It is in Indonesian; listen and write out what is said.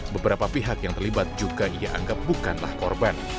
beberapa pihak yang terlibat juga ia anggap bukanlah korban